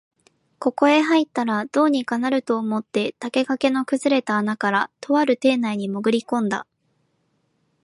ここへ入ったら、どうにかなると思って竹垣の崩れた穴から、とある邸内にもぐり込んだ